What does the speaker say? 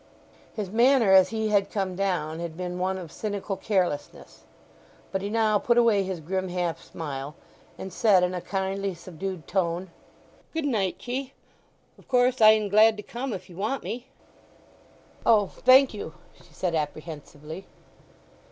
His manner as he had come down had been one of cynical carelessness; but he now put away his grim half smile, and said, in a kindly subdued tone, "Goodnight t'ye. Of course I'm glad to come if you want me." "O, thank you," she said apprehensively.